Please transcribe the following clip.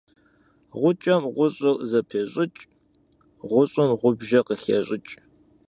Гъукӏэм гъущӏыр зэпещӏыкӏ, гъущӏым гъубжэ къыхещӏыкӏ.